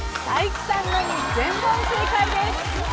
才木さんのみ全問正解です。